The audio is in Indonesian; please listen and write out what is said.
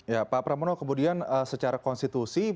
ya pak pramono kemudian secara konstitusi